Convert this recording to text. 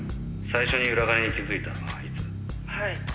最初に裏金に気づいたのはいつ？」